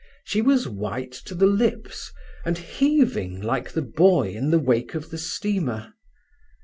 She was white to the lips, and heaving like the buoy in the wake of the steamer.